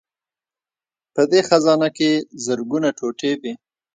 په دې خزانه کې زرګونه ټوټې وې